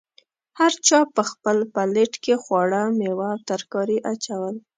هر چا په خپل پلیټ کې خواړه، میوه او ترکاري اچول.